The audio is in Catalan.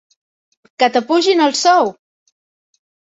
Que t'apugin el sou!